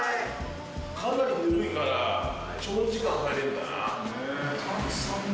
かなりぬるいから、長時間、入れるかな。